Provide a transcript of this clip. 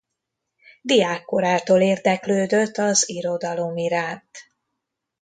Diákkorától érdeklődött az irodalom iránt.